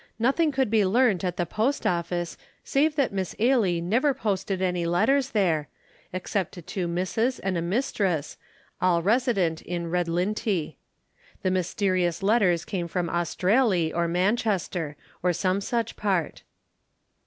Nothing could be learned at the post office save that Miss Ailie never posted any letters there, except to two Misses and a Mrs., all resident in Redlintie. The mysterious letters came from Australy or Manchester, or some such part.